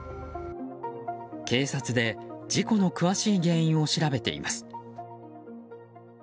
警察で事故の詳しい原因を調べています。